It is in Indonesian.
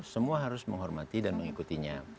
semua harus menghormati dan mengikutinya